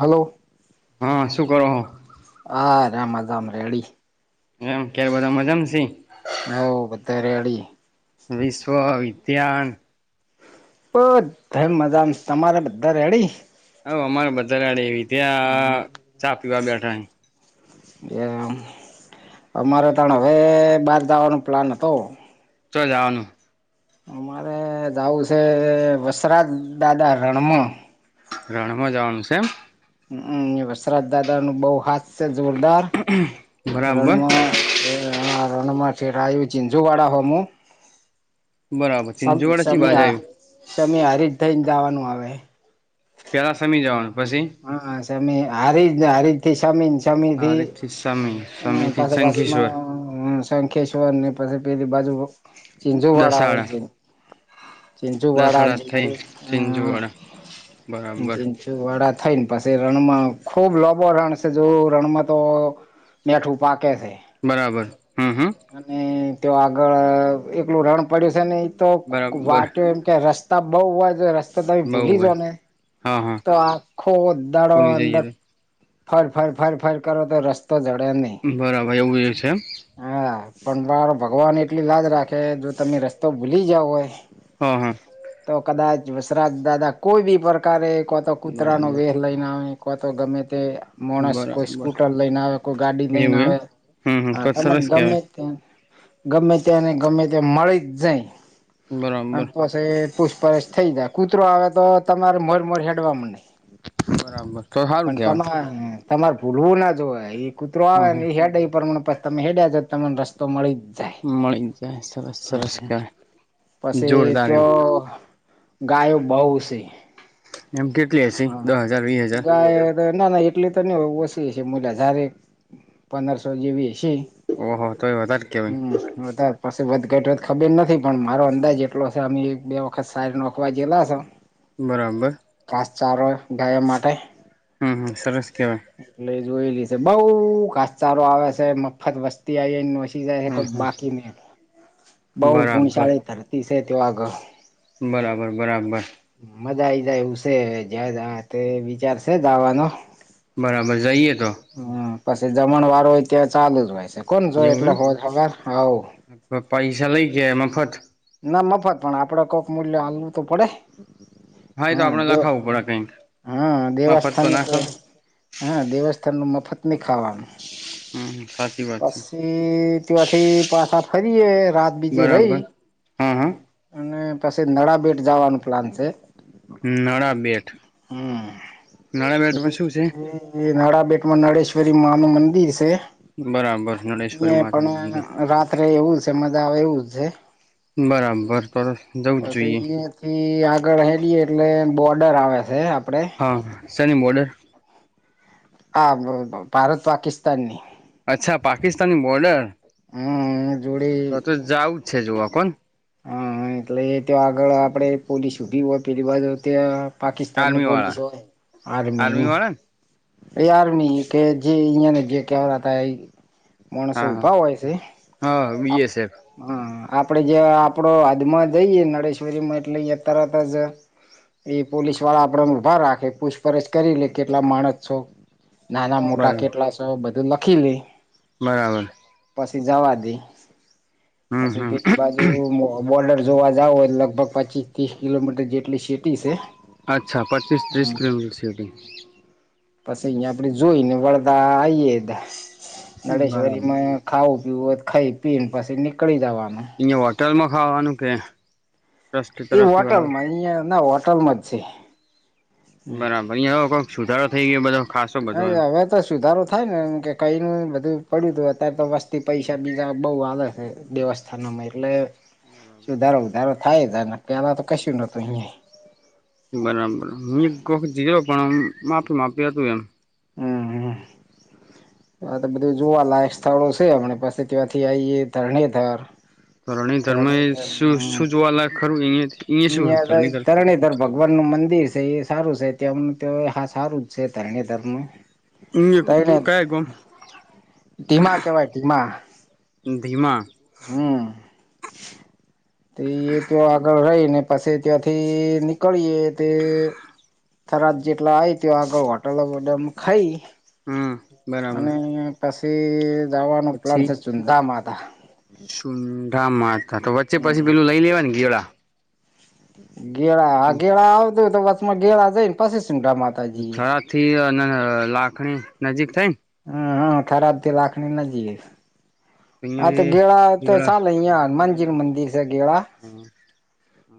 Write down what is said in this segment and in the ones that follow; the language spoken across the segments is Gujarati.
હલ્લો. હા શું કરો હો. હા રામાધામ રડી. એમ કેમ બધા મજામાં સી. હો [unintelligible] વિશ્વ વિજ્ઞાન બધાય મજા તમારે બધા રેડી. હઓ અમારે બધા રેડી એવી ત્યાં ચા પીવા બેઠા હિ. એ અમારે તાણ હવે બહાર જવાનો પ્લાન હતો. ચો જવાનું. અમારે જવું છે વસરાજ દાદા રણમાં. રણમાં જવાનું છે એમ. વસરત દાદા નુ બહુ હાથ છે જોરદાર. બરાબર રણમાં રણમાં છે આવ્યું ઝીંઝુ વાળા હોમુ બરાબર સમ ચિંચુવાડા ચી સમી બાજુ આવ્યું સમી હારીજ થઈને જવાનું આવે હે. પેલા સમી જવાનું પછી. મી હારીજને હારીજ થી શમી. સમીથી હારેથી સમી સમીથી પાછા શંખેશ્વર બસમાં શંખેશ્વર ને પછી પેલી બાજુ જુવાળા આવે દસાડા છે. ચિંચુવાડા દસાડા થઈ ચિંચું ચિંચુવાડા હ બરાબર ચિંચુ વાડા થઈને પસે રણમાં ખૂબ લોબો રણ છે. જો રણમાં તો મેઠું પાક કે બરાબર હમ હમ અને તો આગળ એકલું રણ પડ્યું છે ને એ તો બરાબર વાટ્યો એમ કે રસ તો બઉ હોય જો રસ્તો તમે બહુ ભૂલી હોય જો ને હા હા તો આ આખો દાડો બોલી જઈએ અંદર તો ફર-ફર-ફર-ફર કરો તો રસ તો જડે નહી બરાબર એવું એવું છે એમ [inaudible] હા. પણ મારો ભગવાન એટલી લાજ રાખે જો તમે રસ્તો ભૂલી ગયા હોય હા હા તો કદાચ વસરાજ દાદા કોઈ બી પ્રકારે કો તો કૂતરાનો બરાબર વેર લઈને આવે કો તો ગમે તે માણસ કોઈ બરાબર સ્કૂટર લઈને આવે કોઈ ગાડી લઈને એવું એમ આવે હમ હમ હા તો તમને સરસ ગમે કેવાય ત્યાં ગમે ત્યાંને ગમે ત્યાં મળી જ જાય. અને બરાબર. પછી પૂછપરછ થઈ જાય કૂતરો આવે તો તમારે મોડ મોડ હેડવામાં નહી. બરાબર તો સારું કે તમારે તમારે ભૂલવું ના જોવે એ કૂતરો હા આવે હા ને એ હેડ પ્રમાણે તમે હેડ્યા જતા તમને રસ્તો મળી મળી સરસ જાય સરસ કેવાય [inaudible] પછી જોરદાર એમ ત્યો ગાયો બઉ છે. એમ કેટલી હશે હા દસ હજાર વીસ હજાર. ગાય ના ના એટલી તો નહી હોય ઓછી હશે મુલા જારે પંદરસો જેવી હશે. ઓહો તો એ વધારે કેવાય હમ્મ વધાર પાસ વધ ઘટ વધ ખબર નથી પણ મારો અંદાજ એટલો છે. અમે એક બે વખત ચાર નોખવા જેલા છ બરાબર. સારો ગાય માટે. હમ હમ સરસ કેવાય એટલે જોયેલી છે. બઉ ક સારો આવે છે. મફત વસ્તી હમ હમ આવી. બરાબર [unintelligible] બરાબર બરાબર! મજા આઈ જાય એવશે, જ તે વિચારશે દાવાનો. બરાબર. જઈએ તો. પછી જમણ વાળું હોય, ત્યાં ચાલુ જ હોય છે. કોણ જો એવું એટલે હોબર આવ. એમ પૈસા લઈ ગયા મફત મફત પણ આપડે કોઈક મૂલ્ય હલવું તો પડે. એ તો હા આપડે દ લખાવવું પડે કઈક હા મફત દેવસ્થાન ના તો ખવાય હા! દેવસ્થાનનું મ [unintelligible] હમ સાચી વાત છે પછી ત્યોથી પાછા ખરી એ રાત બીજી રહી. બરાબર હા હા! અને પછી નળાબેટ જવાનું પ્લાન છે. નડા બેઠ હમ! એ નળિયાબેટમાં શું છે નડા એમાં નડેશ્વરી માંનું મંદિર છે. બરાબર નળેશ્વરી અહં પણ માતાનું મંદિર. રાત્રે એવું છે. મજા આવે એવું છે. બરાબર તો જવું જ જોઈએ પછી યાથી આગળ, હેડી એટલે. બોર્ડર આવે છે. આપડે હા! સેની બોર્ડર? હા! ભારત પાકિસ્તાનની. અચ્છા પાકિસ્તાની બોર્ડર. હમ જોડે તો તો જાવું જ છે જોવા. કોણ? હા! એટલે એ તો આગળ આપણે પોલીસ ઊભી હોય. પેલી બાજુ ત્યાં. પાકિસ્તાનની આર્મી વાળા પોલીસ હોય આર્મી. વાળા ને યાર ન કે જે યાને જે ક્યા ત એ. માણસો હા હા ઉભા હોય છે. હા હ બીએસએફ આપડે જે આપડો. અદમાં જઈએ નડેશ્વરી માં એટલે તરત જ. એ પોલીસ વાળા આપડને ઉભા રાખે. પૂછપરછ કરી લે, કેટલા માણસ છો? નાના મોટા બરાબર કેટલા છો? બધું લખી લે. બરાબર. પછી જવા દે. હમ પછી હમ પેલી બાજુ. બોર્ડર જોવા જાવ, લગભગ પચીસ ત્રીસ કિલોમીટર જેટલી સીટી છે. અચ્છા! પંચસ ત્રીસ કિલોમીટર સિવધ. પછી, અહીયા આપડે જોઈ ને વળદા આઈએા. નળેશ્વરીમાં ખાવું. પી ખાઈ પી ને પછી, નીકળી જવા. અયા હોટેલમાં ખાવાનું કે? ટ્રસ્ટ એ તરફથી વાળા હોટલમાં. અહિયાં ના હોટલમાં જ છે. બરાબર ંવે કોઈક સુધારો થઈ ગયો બધો. ખાસો બધો એમ હા! હવે તો સુધારો થાય ને એમ કે કઈ ન બધું પડ્યું હતું. અત્યારે તો વથી પૈસા બીજા બહુ આવે છે. વ્યવસ્થાનામાં એટલે બરાબર સુધારો વધધારો. થાય જ ન કે આં તો કશ નતુંહીં. બરાબર. હું એક વખત જી્યો પણ માફી માપી હતું એમ. હમ હ! હા તો બધું જોવાલાયક સ્થળો છે. હમ પછી ત્યાંથી આઈે ધરણેધર. ધણેય ધર્મ, શું જોવાલાય ખરું એયા? તરની તાર ભગવાન નું મંદિર. એ સારું છે, ત હા સારું જ છે, ધરણેધર ન અ કઈ ગણ ધીમા કેવાય ધીમા ધીમા હમ [unintelligible] તે એ ત્યા આગળ રહી ને પાછી ત્યાંથી નીકળીએ તે થરાદ જેટલા આય તે આગળ હોટલોમાં ખાઈ હમ, બરાબર. થી જવાનું પ્લાન છે ચુંદા માતા ચુંદડા માથા તો વચ્ચે પછી પેલું લઈ લેવા ને ગીળ ગેળા હ ગેળા આવતું તો વચમાં ગેળા જઈને પછી સુંઢા માતાજી એ છરા થી અને લાખણી નજીક થઈને હમ, હમ ખરાબથી લખણી નજીએ આ તો અહિયાથી ગેળા તો ચાલ યા હનુમાનજીનું મંદિર છે. ગેળા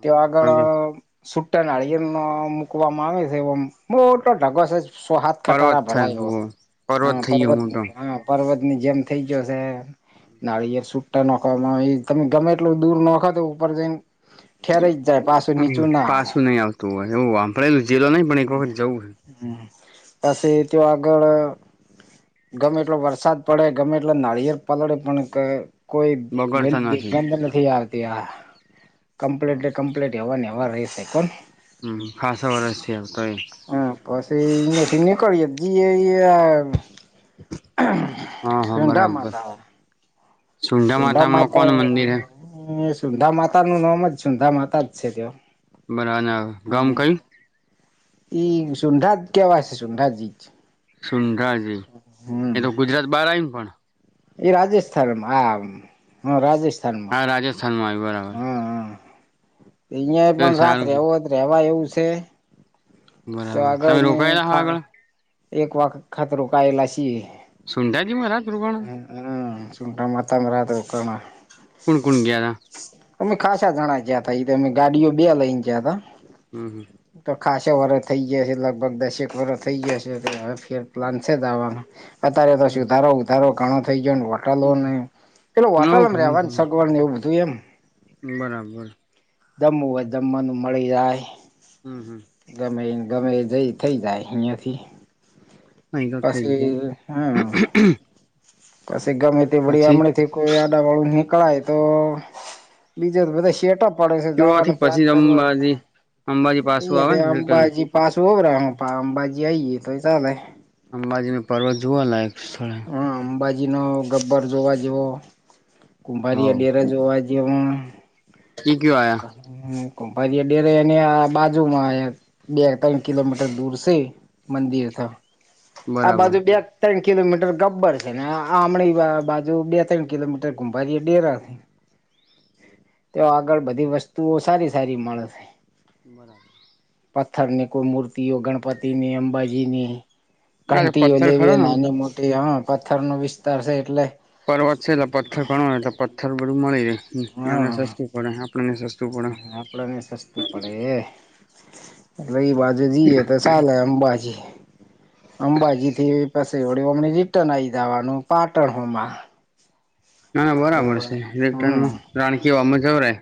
તે આગળ સુટ્ટા નાળિયેર મુકવામાં આવે છે. એ મોટો ઢગો છે. સોહાથ પર્વત ખટારા ભરાયવ થાય હ થઈ ગયો પર્વત મોટો હ પર્વત આપની જેમ થઈ જયોશે નાળિયેર સુટા નાોખવામાં તમે ગમે એટલું દૂર નખો તો ઉપર જઈને. ઠેરાઈ જ જાય પાછું હમ નીચું ના આવે પાછું નહી આવતું હોય એવું આમ આપે એલું જેલો નહી પણ એક વખત જવું. વસી તે આગળ ગમે એટલો વરસાદ પડે ગમે એટલો નારિયેર પલળે પણ કોઈ દુર્ગંધ નથી આવતી આ કમ્પ્લીટ કમ્પ્લીટ એવાની એવા રશે કોણ હમ ખાસા વર્ષથી આવતો એ હ, પછીથી નીકળીએ જી હા હા છઝંડા બરાબર માતા. સુંઢા સુંડા માતામાં માતા કોણ મંદિર હે સુંંધા માતા નું નામ જ સુંંધા માતા જ છે તે બરાા ના ગામ કઈ એ સુંંધાજ કેવા છે સુંંધાજી. સુંંધાજી એ તો ગુજરાત બાર આવીયને પણ એ રાજસ્થાન હ હ રાજસ્થાન હા રાજસ્થાનમાં આવ્યો બરાબર. અહિયાં તો પણ રાત સારું રવો રેવા એવું છે. તો બરાબર તમે આગળને રોકાયેલા હો ખા આગળ એક વાખ ખાતરો કાયેલા છી. સુંઢાજી માં રાત રોકાણ હમ હમ ચૂંડ માતા કોણ કોણ ગયા હતા. અમે ખાસા જણ ગયા હતાા એ અમે ગાડીઓ બે લઈને ગયા ત હમ. હમ. ખાસો વર થઈ ગયા છે. લગભગ દસેક વરષ થઇ ગયા છેવે ફેર પ્લાન છેવાનું અત્યારે તો હમ સુધારો ઉધારો ઘણો થઇ. હોટલો ન પેલે હવ હોટલમ ઘણું રવાનું ઘણું સગવવાડ ને એવું બધું એમ બરાબર. જમવું હોય જમવાનું મળી જાય હમ. હમ. ગમે ગમે જઈ, થઈ જાય. અહીંયાથી હ તો ઠક છે. પછી ગમે તે બળી આમડે થી કોઈ આડા વાળું નહ પકળાય તો બીજું બધ શેટપ પડ ત્યોથી જવાનું પ્લાન પછી અંબાજી અંબાજી પાછું આવે અ ને રિટર્ન અંબાજી પાસું હો પા અમબાજી આઈ ગએ તો ચલેે અંબાજીનો પર્વત જુવા લયક સ્થળે હા અંબાજી નો ગબ્બર જોવા જેવો કુંભારી અ હવ ડેરા જોવા જેવો. ઈ કયો આયા ક ડેરેને આ બાજુમાં બે ત્રણ કિલોમીટર દૂર છે મંદિર ત. આ બરાબર બાજુ બે ત્રણ કિલોમીટર. ગબ્બર છે ને આમણી બાજુ બે ત્રણ કિલોમીટર ગુંભારી ડેરાથી. તો આગળ બધી વસ્તુઓ સારી સારી મળેશે. બરાબર પથ્થર ની કોઈ મૂર્તિઓ ગણપતિની અંબાજીની. આ ઘંટીઓ પથ્થર ખરો લેવી ને આમ તો નાની મોટી હ પથ્થર નો વિસ્તાર છે એટલે પર્વત છે એટલે પથ્થર ઘણોય એટલે પથ્થર બધું મળી જાય એમને હા સસ્તું પડે આપડને સસ્તું પડે આપડને સસ્તું પડે રી બાજુ જીએ તો સલેે અં બાજી અંબાજી થી પા વળ અમને રિટર્ન આવી જવાનું પાટણ હોમાં ના ના બરાબર છે હમ રટનમાં રાણકીવામાં જવરાય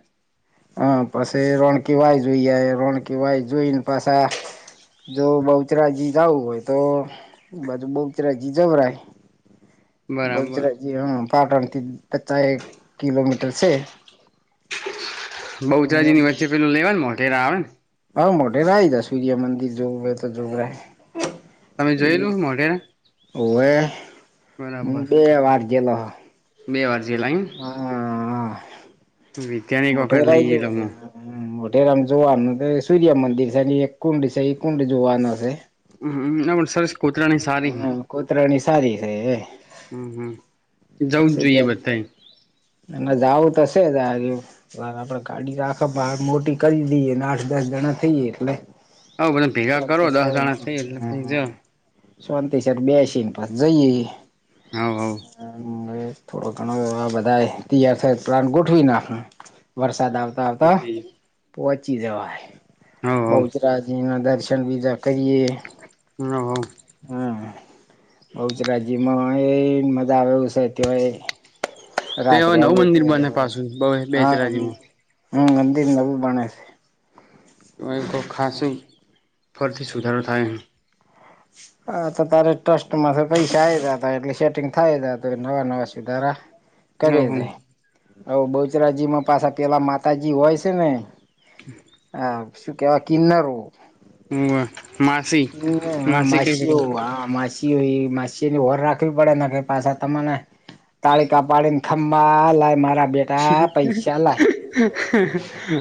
હ પછી રોણકી વાય જોઈએ રોણકી વાય જોઈને પાછા જો બહુચરાજી જું હોય તોધું બહુચરાજી જવરાય બરાબર બલચરાજી હા પાટણ થી પચાસ એક કિલોમીટર છે બહુચરાજીની વચ્ચે પેલું લેવા ને મોઢેરા આવે ને હ મોટે રાય તા સૂર્યમંદિર જોગ તો જોગરા તમે એ જોયેલું મોઢેરા ઓવે હ બરાબર બે વારજલો. બે વારજી લાઈન. મોટા લઈ રજ. ગયેલો હું મ જોવાનું સૂર્ય મંદિર છે, એક કુંડ છે, એ કુંડ જોવાનો છે. હ ના પણ સર. હમ કૂતરાણી સારી છે. હમ હમ જવું જ છી ત જોઈએ બધાએ ના જાઉું તશે. આપડે ગાડી રાખ બાર મોટી કરી દઈએને આઠ દસ જણા થઈએ એટલે. હ બધ ભેગા કરો શાંતિ દસ જણા થઇ એટલે ક જા. શાંતિસર બેસીને પાસે જઈએ. હ હવ. હ થોડો ઘણો એ આ બધા તૈયાર થ પ્લાન ગોઠવી નાખ વરસાદ આવે. આવ હવ પહોચી જવાય હવ હવ બહુચરાજી દર. પઈસેન વિધ કરીએ. હ. બહુચરા્યમાં એ મજા આવે છે તોય. તે રાત્રે હવે આવું નવું તો મંદિર ઘરે બને વ પાછું બ હા. બેચરાજીનું હમ ગંદી નવીું બને છે. તો એક ખાસ ફરથી સુધારો થાય. હા તો તારે ટ્રસ્ટ માંથી પૈસા આ હતા એટલે સેટિંગ થાય નવા નવા સુધારા. કરે ઓહો છે હ બહુચરાજીમાં પાછા પેલા માતાજી હોય છે ને. હા શું કેવા કિનનાર. હ. હ માસી હો હ માસી હોય માસી. ની ઓર રાખવી પડે પાછા તને તાળ કા પાડીને ખંભા લ મારા. બેટા પૈસા લાય.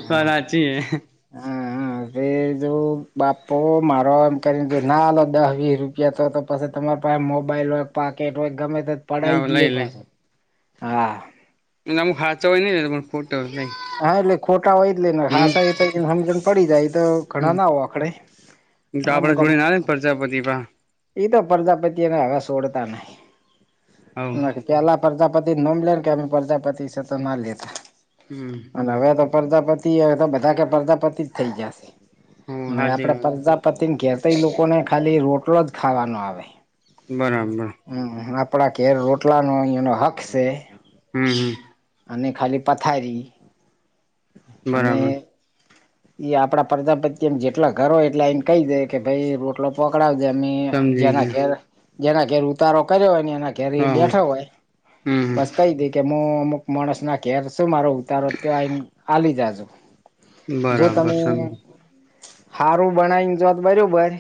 બાચી હ. હા. બાપુ મારો એમ કરીને ના લો દસ વીસ રૂપિયા તો તો પછ તમારે પાસે મોબાઈલ હોય. પાકે ગમે તો હે પડાય જ લે પાછ હા. એટલેમ ખાચા હોય નઈૂટ હા એટલે ખોટા હોય જ લે ને હમ ખાસ એ તો સમજણ પડી જાય એ તો હમ ઘણા ના હો આખડે. તો આપડા જોડેને આવે ને પ્રજાપતિ પણ. એ તો પ્રજાપતિ એને હવે સોડતા ને હવ ના તેલા પ્રજાપતિ નોમલેને કે પ્રજાપતિ સ તો ના લેતા. હમ અને હવે તો પ્રજાપતિ બધા કે પા થ જશે હ આપે હાચી વાત પ્રજાપતિને ઘેતા લોકોને ખાલી રોડ. ટલો જ ખાવાનો આવે. બરાબર. આપણા ઘેર રોટલાનો અહીયાનો હક છે. હમ હમ. અને અને ખાલી પથારી. બરાબર. અને એ આપડા પ્રજાપતિ એમ જેટલા ઘરો હોય એટલા એને કહી દે કે ભાઈ રોટલો પકડાવ. અ સમજી જેના ગયો ઘેર જેના ઘેર ઉતારો કર્યો હો. ઘ હા બેઠો હોય હમ બસ કઈ તી કે હું અમુક માણસ ના ઘેર શું મારો ઉતારો. તે આ આલી જાદુ. બરાબર સમ હારું બનાવીને જોત બરોબર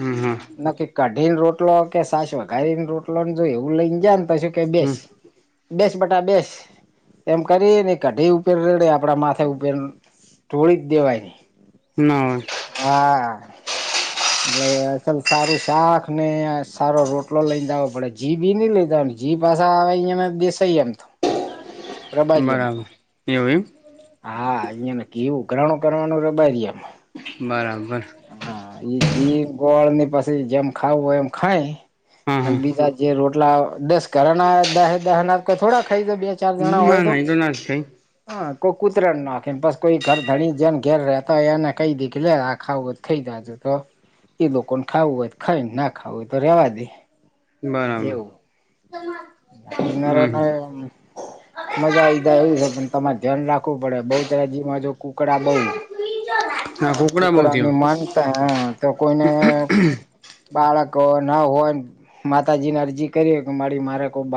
હમ હા નકી કઢી રોટ રોટલો કે સાસો ગારીને રોટલો ને જો એવું લઈને જાય ને તો કે બેસ હમ બેસ બટા બેસ એમ કરી ને કઢી. ઉપેર રેડે આપડા માથે ઉપેર ઢોળી જ દેવાયની. ના હોય હા. અરે અસલ સારું શાક ને સારો રોટલો લઈ જાઓ પડે જીભી નઈ લઈધા હો જીભ. પાછા આવે એમા બેસય એમ તો પ્રબારી એમ તો બરાબર એવું એમ હા અહયાને કેવું ગ્રણો કરવાનું રબાઈ એમ બરાબર. એ ગોળ ની પાછા જેમ ખાવું હોય એમ ખાય હા અને હા બીજા જે રોટ રોટલા દસ કરના દહે દહ ના થોડા ખાઈ દો બે ચાર જણા હોય ના તો. ના એ ના જ થાય હ કોઈ કુતરાણ નાખીને બસ કોઈ ઘર ધણી જેન ઘેર રહેતા હોય એને કઈ દીક લ આખા થઈ. જ તો એ લોકો ને ખાવું હોય ખાયને ના ખાવું હોય તો રેવા દે. બરાબર. ના કિનારા હમ ને મજા ઈધા એવું છે પણ તમારે. ધ્યાન રાખવું પડે બહુચરાજીમાં તો કુકડા બહુ હા કોકડા બહુ કુકડા થયો ની માનતા હ તો કોઈને બાળક ના હોય માતાજી ને અરજી કરી કે મારી મારે કો બાળક.